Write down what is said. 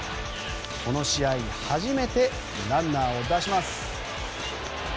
この試合初めてランナーを出します。